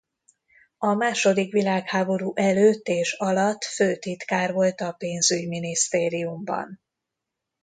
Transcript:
A második világháború előtt és alatt főtitkár volt a Pénzügyminisztériumban.